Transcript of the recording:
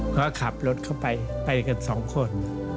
ก็ขับรถเข้าไปไปกันสองคน